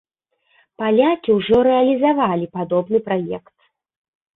Палякі ўжо рэалізавалі падобны праект.